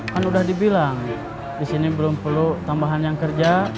kan udah dibilang disini belum perlu tambahan yang kerja